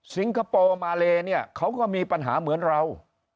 สิงคโปร์มาเลเขาก็มีปัญหาเหมือนเรา